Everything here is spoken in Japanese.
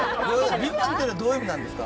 ＶＩＶＡＮＴというのはどういう意味なんですか？